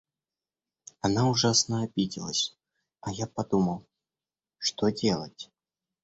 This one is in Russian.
Она ужасно обиделась, а я подумал: что делать?